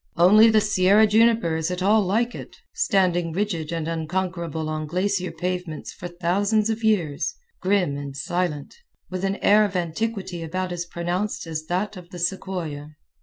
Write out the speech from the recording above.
Only the Sierra juniper is at all like it, standing rigid and unconquerable on glacier pavements for thousands of years, grim and silent, with an air of antiquity about as pronounced as that of the sequoia.